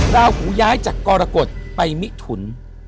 ราหูย้ายจากกรกฎไปมิถุน